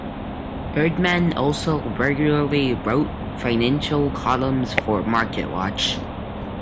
Erdman also regularly wrote financial columns for Marketwatch.